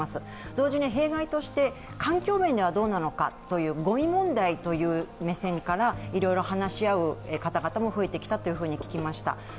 同時に弊害として環境面ではどうなのかという、ごみ問題という目線からいろいろ話し合う方々も増えてきたと聞きました。